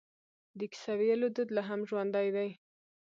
د کیسه ویلو دود لا هم ژوندی دی.